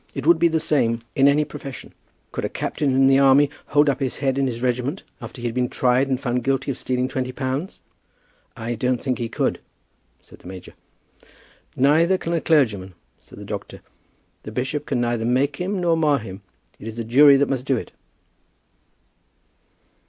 It would be the same in any profession. Could a captain in the army hold up his head in his regiment after he had been tried and found guilty of stealing twenty pounds?" "I don't think he could," said the major. "Neither can a clergyman," said the doctor. "The bishop can neither make him nor mar him. It is the jury that must do it."